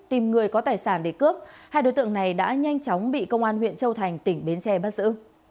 tìm người có tài sản để cướp hai đối tượng này đã nhanh chóng bị công an huyện châu thành tỉnh bến tre bắt giữ